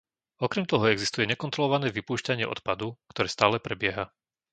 Okrem toho existuje nekontrolované vypúšťanie odpadu, ktoré stále prebieha.